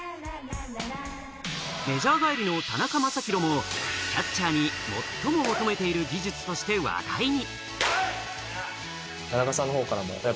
メジャー帰りの田中将大も、キャッチャーに最も求めている技術として話題に。